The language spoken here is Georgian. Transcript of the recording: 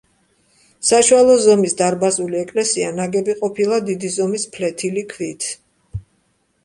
საშუალო ზომის დარბაზული ეკლესია ნაგები ყოფილა დიდი ზომის ფლეთილი ქვით.